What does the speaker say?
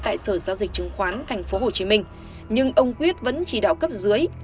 tại sở giao dịch chứng khoán tp hcm nhưng ông quyết vẫn chỉ đạo cấp dưới